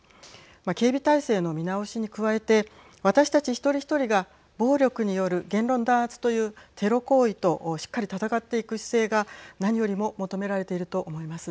警備体制の見直しに加えて私たち一人一人が暴力による言論弾圧というテロ行為としっかりと戦っていく姿勢が何よりも求められていると思います。